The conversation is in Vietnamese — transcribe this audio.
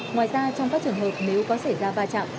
ngoài ra trong các trường hợp nếu có xảy ra va chạm